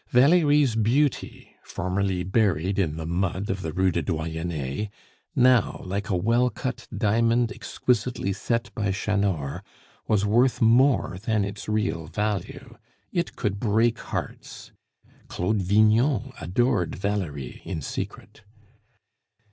Valerie's beauty, formerly buried in the mud of the Rue du Doyenne, now, like a well cut diamond exquisitely set by Chanor, was worth more than its real value it could break hearts. Claude Vignon adored Valerie in secret.